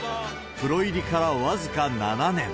プロ入りから僅か７年。